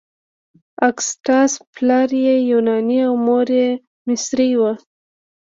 اګسټاس پلار یې یوناني او مور یې مصري وه.